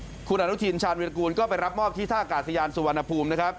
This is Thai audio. สถาสุผิวคุณอโธิชาย์ชาวน์วิทยากูลก็ไปรับมอบที่ท่ากาศยานสุวรรณภูมิ